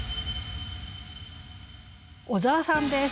小沢さんです。